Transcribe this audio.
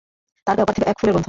তার গায়ে অপার্থিব এক ফুলের গন্ধ।